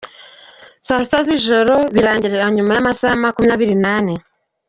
sita z’ijoro birangire nyuma y’amasaha makumyabiri nane.